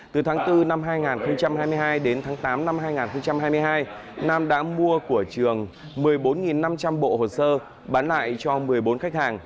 từ tháng bốn năm hai nghìn hai mươi hai đến tháng tám năm hai nghìn hai mươi hai nam đã mua của trường một mươi bốn năm trăm linh bộ hồ sơ bán lại cho một mươi bốn khách hàng